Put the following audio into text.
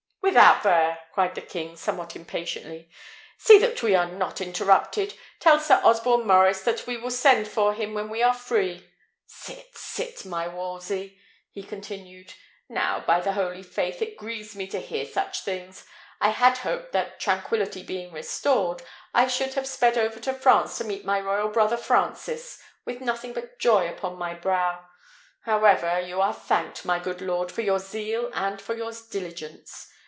"Without there!" cried the king, somewhat impatiently. "See that we are not interrupted. Tell Sir Osborne Maurice that we will send for him when we are free. Sit, sit, my Wolsey!" he continued. "Now, by the holy faith, it grieves me to hear such things! I had hoped that, tranquillity being restored, I should have sped over to France to meet my royal brother Francis, with nothing but joy upon my brow. However, you are thanked, my good lord, for your zeal and for your diligence.